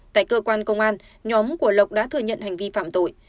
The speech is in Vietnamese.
tại cơ quan công an nhóm của lộc đã thừa nhận hành vi phạm tội